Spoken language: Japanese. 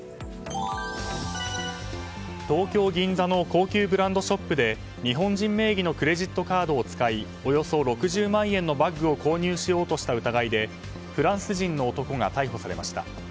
東京・銀座の高級ブランドショップで日本人名義のクレジットカードを使いおよそ６０万円のバッグを購入しようとした疑いでフランス人の男が逮捕されました。